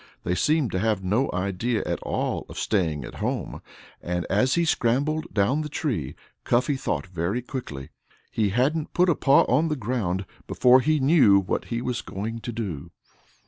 They seemed to have no idea at all of staying at home, and as he scrambled down the tree Cuffy thought very quickly. He hadn't put a paw on the ground before he knew what he was going to do.